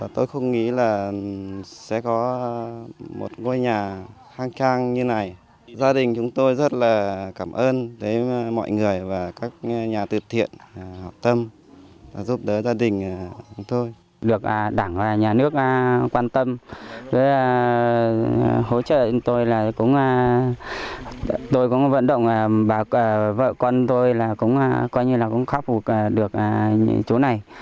tôi cũng vận động vợ con tôi cũng khắc phục được chỗ này